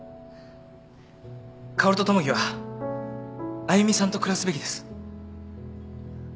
薫と友樹はあゆみさんと暮らすべきです。